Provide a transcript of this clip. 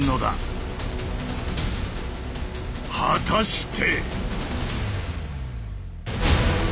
果たして。